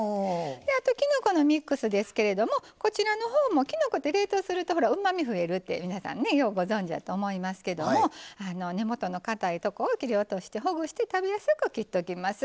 あときのこのミックスですけれどもこちらのほうもきのこって冷凍するとほらうまみ増えるって皆さんねようご存じやと思いますけども根元のかたいとこを切り落としてほぐして食べやすく切っときます。